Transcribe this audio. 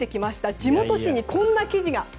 地元紙にこんな記事が。